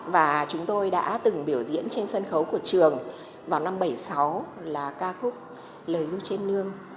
và chúng tôi đã từng biểu diễn trên sân khấu của trường vào năm một nghìn chín trăm bảy mươi sáu là ca khúc lời du trên nương